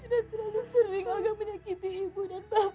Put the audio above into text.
sudah terlalu sering olga menyakiti ibu dan bapak selama ini